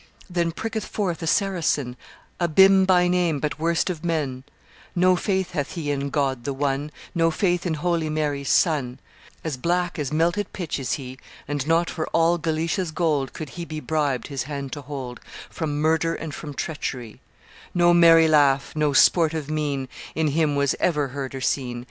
... "Then pricketh forth a Saracen, Abyme by name, but worst of men No faith hath he in God the One, No faith in Holy Mary's Son; As black as melted pitch is he, And not for all Galicia's gold Could he be bribed his hand to hold From murder and from treachery; No merry laugh, no sportive mien In him was ever heard or seen.